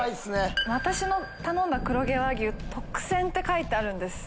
私の頼んだ黒毛和牛「特選」って書いてあるんです。